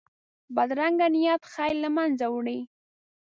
بدرنګه نیت خیر له منځه وړي